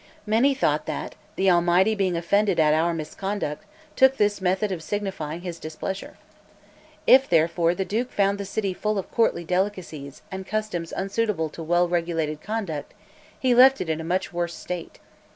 Many thought that the Almighty being offended at our misconduct, took this method of signifying his displeasure. If, therefore, the duke found the city full of courtly delicacies, and customs unsuitable to well regulated conduct, he left it in a much worse state.